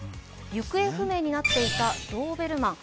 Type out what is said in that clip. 行方不明になっていたドーベルマン。